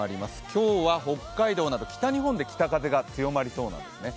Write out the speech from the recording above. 今日は北海道など北日本で北風が強まりそうなんですね。